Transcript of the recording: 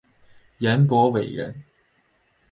颜伯玮人。